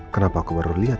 kenapa aku baru liat ya